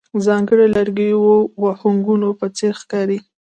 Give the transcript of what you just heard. ځانګړی د لرګیو وهونکو په څېر ښکارې.